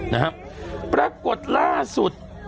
นะครับปรากฏล่าสุด